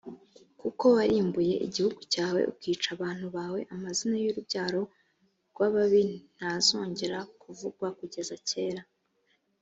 kuko warimbuye igihugu cyawe ukica abantu bawe, amazina y’urubyaro rw’ababi ntazongera kuvugwa kugeza kera